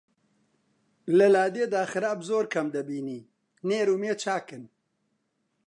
لە لادێدا خراب زۆر کەم دەبینی نێر و مێ چاکن